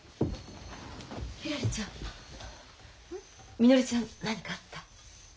みのりちゃん何かあった？